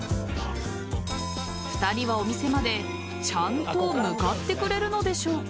２人はお店までちゃんと向かってくれるのでしょうか。